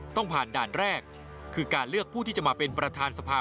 ต้องผ่านด่านแรกคือการเลือกผู้ที่จะมาเป็นประธานสภา